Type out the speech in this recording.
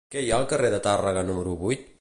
Què hi ha al carrer de Tàrrega número vuit?